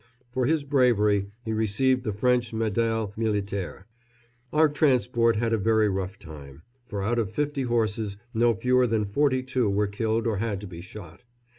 For his bravery he received the French Médaille Militaire. Our transport had a very rough time, for out of fifty horses no fewer than forty two were killed or had to be shot.